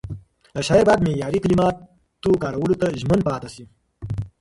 شاعر باید معیاري کلماتو کارولو ته ژمن پاتې شي.